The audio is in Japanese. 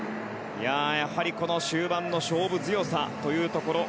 やはり、終盤の勝負強さというところ。